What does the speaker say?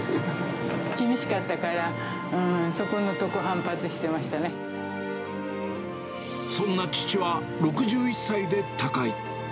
厳しかったから、そこのとこ、そんな父は、６１歳で他界。